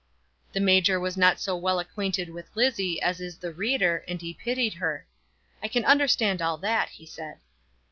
The major was not so well acquainted with Lizzie as is the reader, and he pitied her. "I can understand all that," he said.